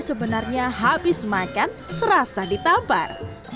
sebenarnya habis makan serasa ditampar